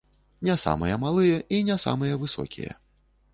Не самыя малыя і не самыя высокія.